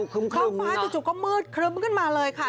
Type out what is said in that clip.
ท้องฟ้าจู่ก็มืดครึ้มขึ้นมาเลยค่ะ